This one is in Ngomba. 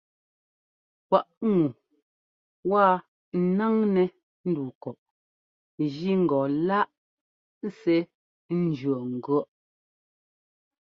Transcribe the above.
Kwaꞌ ŋu wa ńnáŋnɛ́ ndu kɔꞌ jí ŋgɔ láꞌ sɛ́ ńjʉɔ́ŋgʉ̈ɔ́ꞌ.